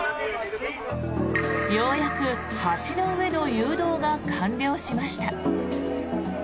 ようやく橋の上の誘導が完了しました。